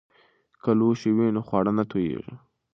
که لوښي وي نو خواړه نه توییږي.